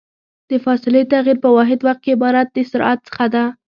د فاصلې تغير په واحد وخت کې عبارت د سرعت څخه ده.